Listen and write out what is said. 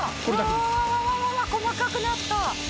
わわわわ細かくなった。